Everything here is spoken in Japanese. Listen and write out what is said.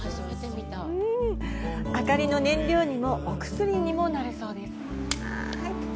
明かりの燃料にもお薬にもなるそうです。